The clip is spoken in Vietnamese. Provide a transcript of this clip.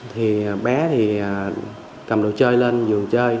thì bé thì cầm đồ chơi lên giường chơi